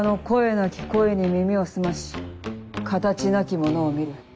なき声に耳を澄まし形なきものを見る。